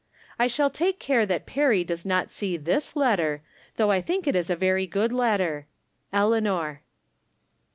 I shall take care that Perry does not see this let ter, though I think it is a very good letter. Eleanok.